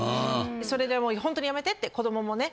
それでほんとにやめてって子供もね